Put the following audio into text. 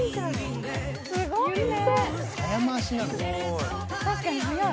すごいね。